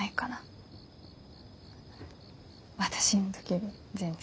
私の時より全然。